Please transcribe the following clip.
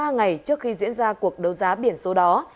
ba ngày trước khi diễn ra cuộc đấu giá biển số đó